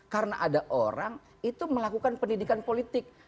karena ada orang itu melakukan pendidikan politik